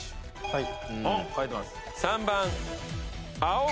はい。